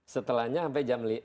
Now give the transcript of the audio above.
setelahnya sampai jam